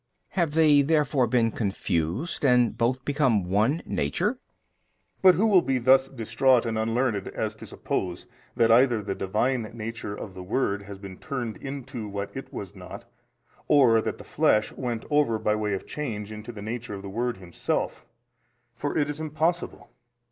B. Have they therefore been confused and both become one nature? A. But who will be thus distraught and unlearned as to |264 suppose that either the Divine Nature of the Word has been turned into what it was not, or that the flesh went over by way of change into the Nature of the Word Himself (for it is impossible)?